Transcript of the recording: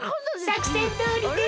さくせんどおりです。